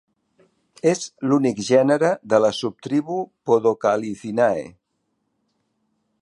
És l'únic gènere de la subtribu Podocalycinae.